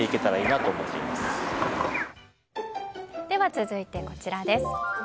では続いてこちらです。